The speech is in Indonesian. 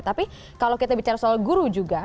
tapi kalau kita bicara soal guru juga